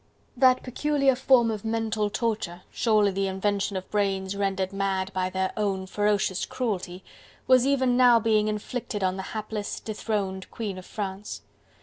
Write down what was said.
That peculiar form of mental torture, surely the invention of brains rendered mad by their own ferocious cruelty, was even now being inflicted on the hapless, dethroned Queen of France.